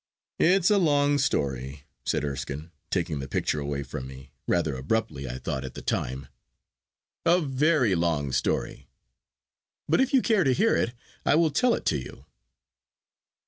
'It is a long story,' said Erskine, taking the picture away from me—rather abruptly I thought at the time—'a very long story; but if you care to hear it, I will tell it to you.